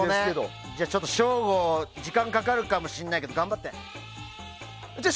省吾時間かかるかもしれないけど頑張って。